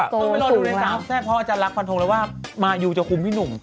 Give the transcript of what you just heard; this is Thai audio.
ก็ไม่รอดูในทราบแทรกพ่อจัดลักษณ์ควันทงแล้วว่ามายูจะคุมพี่หนุ่ม